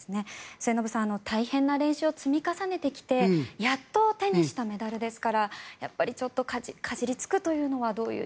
末延さん大変な練習を積み重ねてきてやっと手にしたメダルですからちょっとかじりつくというのは。